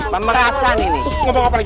pemerasan ini terus ngomong apa lagi nih